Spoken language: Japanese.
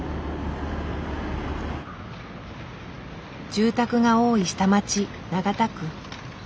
住宅が多い下町長田区。